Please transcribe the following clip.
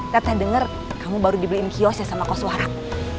teteh dengar kamu baru dibeliin kios ya sama kos warak